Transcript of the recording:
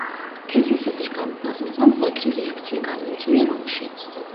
თეზისების გამოქვეყნებამ მკვეთრი რეაქცია გამოიწვია რომში.